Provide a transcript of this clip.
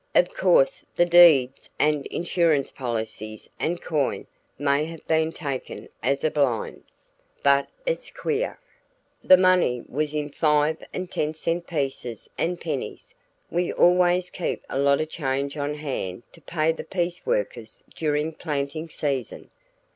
Of course the deeds and insurance policies and coin may have been taken as a blind; but it's queer. The money was in five and ten cent pieces and pennies we always keep a lot of change on hand to pay the piece workers during planting season.